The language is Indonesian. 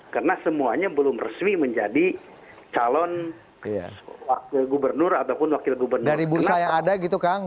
karena semuanya belum resmi menjadi calon wakil gubernur ataupun wakil gubernur